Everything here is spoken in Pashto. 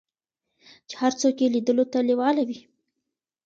چې هر څوک یې لیدلو ته لیواله وي.